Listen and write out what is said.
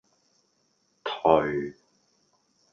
頹